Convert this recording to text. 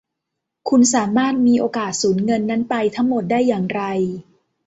คุณสามารถมีโอกาสสูญเงินนั้นไปทั้งหมดได้อย่างไร